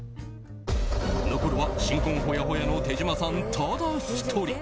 残るは新婚ほやほやの手島さんただ１人。